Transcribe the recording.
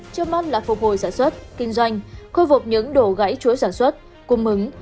trước mắt là phục hồi sản xuất kinh doanh khôi phục những đổ gãy chuối sản xuất cung mứng